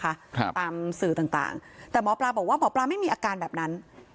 ครับตามสื่อต่างต่างแต่หมอปลาบอกว่าหมอปลาไม่มีอาการแบบนั้น